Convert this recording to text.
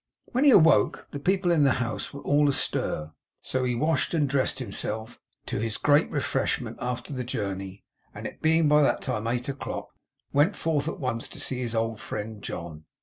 When he awoke, the people in the house were all astir, so he washed and dressed himself; to his great refreshment after the journey; and, it being by that time eight o'clock, went forth at once to see his old friend John.